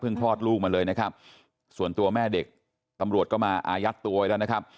คลอดลูกมาเลยนะครับส่วนตัวแม่เด็กตำรวจก็มาอายัดตัวไว้แล้วนะครับ